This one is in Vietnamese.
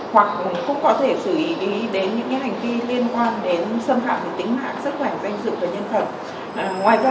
hoặc cũng có thể xử lý đến những hành vi liên quan đến xâm hại tính mạng sức khỏe danh dự và nhân thần